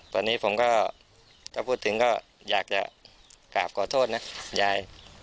ตอนนี้ผมก็ถ้าพูดถึงก็อยากจะกราบขอโทษนะยาย